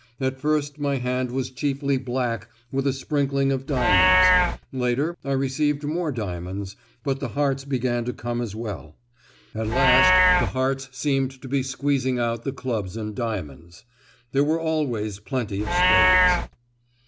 At first my hand was chiefly black with a sprinkling of diamonds; later I received more diamonds, but the hearts began to come as well; at last the hearts seemed to be squeezing out the clubs and diamonds. There were always plenty of spades."